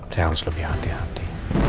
dia harus lebih hati hati